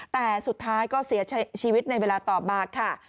แต่สุดท้ายก็เสียชีวิตในเวลาต่อมาค่ะ